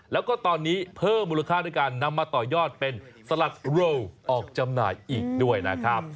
แล้วก็ตอนนี้เพิ่มมูลค่าด้วยการนำมาต่อยอดเป็นสลัดเร็วออกจำหน่ายอีกด้วยนะครับ